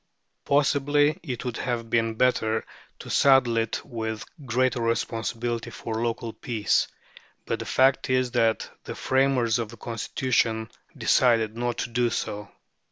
Possibly it would have been better to saddle it with greater responsibility for local peace; but the fact is that the framers of the Constitution decided not to do so.